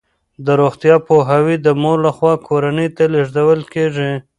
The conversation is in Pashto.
د روغتیا پوهاوی د مور لخوا کورنۍ ته لیږدول کیږي.